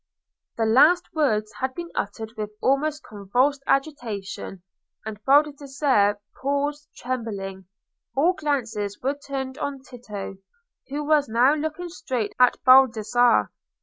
The last words had been uttered with almost convulsed agitation, and Baldassarre paused, trembling. All glances were turned on Tito, who was now looking straight at Baldassarre.